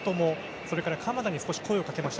それから鎌田に少し声を掛けました。